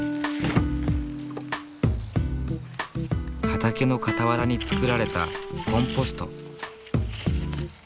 畑の傍らに作られたコンポスト。